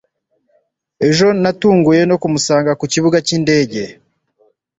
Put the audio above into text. Ejo natunguye kumusanga ku kibuga cyindege